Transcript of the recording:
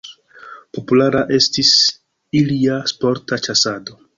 Populara estis ilia sporta ĉasado.